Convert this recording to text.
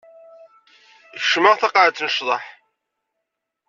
Kecmeɣ taqaɛet n ccḍeḥ.